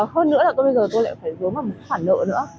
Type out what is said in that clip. hơn nữa là tôi bây giờ tôi lại phải vướng vào một khoản nợ nữa